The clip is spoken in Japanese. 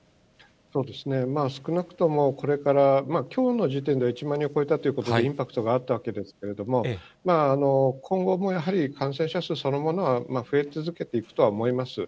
そうですね、少なくとも、これから、きょうの時点では１万人を超えたということで、インパクトがあったわけですけれども、今後もやはり感染者数そのものは増え続けていくとは思います。